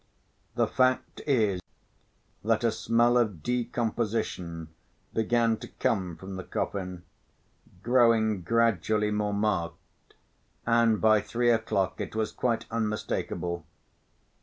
The fact is that a smell of decomposition began to come from the coffin, growing gradually more marked, and by three o'clock it was quite unmistakable.